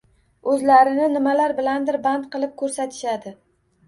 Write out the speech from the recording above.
O’zlarini nimalar bilandir band qilib ko’rsatishadi.